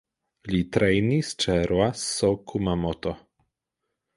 Li trejnis ĉe Roasso Kumamoto.